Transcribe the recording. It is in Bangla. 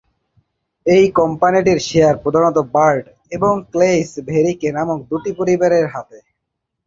এই কোম্পানিটির শেয়ার প্রধানত বার্ট এবং ক্লেইস-ভেরিকে নামক দুটো পরিবারের হাতে।